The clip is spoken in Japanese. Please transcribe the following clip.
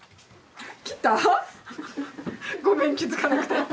ごめん気付かなくて。